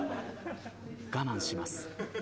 我慢します。